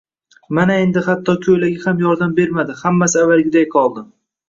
Mana, endi hatto koʻylagi ham yordam bermadi, hammasi avvalgiday qoldi